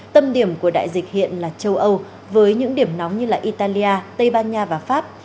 tâm điểm của đại dịch hiện là châu âu với những điểm nóng như italia tây ban nha và pháp